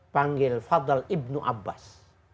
panggil fadl ibnu abbas